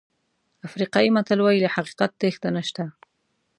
افریقایي متل وایي له حقیقت تېښته نشته.